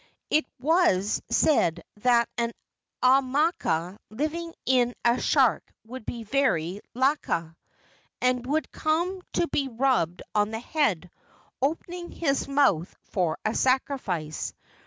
It was said that an aumakua living in a shark would be very laka, and would come to be rubbed on the head, opening his mouth for a sacrifice.